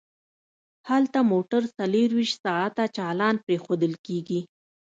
هلته موټر څلور ویشت ساعته چالان پریښودل کیږي